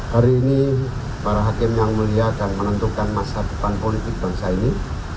hari ini para hakim yang mulia akan menentukan masa depan politik bangsa ini